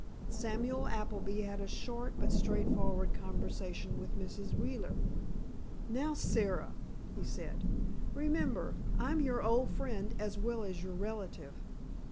Samuel Appleby had a short but straightforward conversation with Mrs. Wheeler. "Now, Sara," he said, "remember I'm your old friend as well as your relative."